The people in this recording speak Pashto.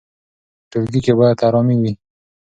په ټولګي کې باید ارامي وي.